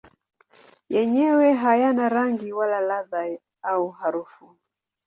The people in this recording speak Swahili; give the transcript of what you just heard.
Yenyewe hayana rangi wala ladha au harufu.